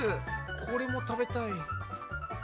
これも食べたい。